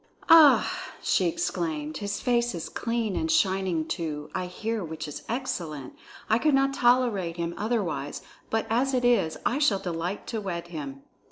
"Ah!" she exclaimed, "his face is clean and shining too, I hear, which is excellent. I could not tolerate him otherwise; but as it is, I shall delight to wed him."